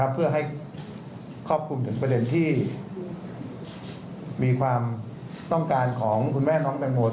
เพื่อให้ครอบคลุมถึงประเด็นที่มีความต้องการของคุณแม่น้องแตงโม